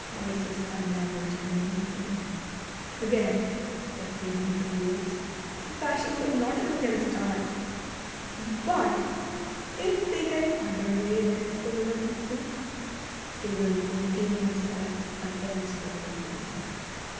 Vices are never genuinely tamed. Again, if reason prevails, the passions will not even get a start ; but if they get under way against the will of reason, they will main tain themselves against the will of reason.